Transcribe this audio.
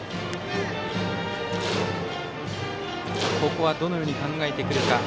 ここはどのように考えてくるか。